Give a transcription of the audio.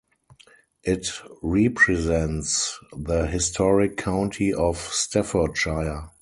It represents the historic county of Staffordshire.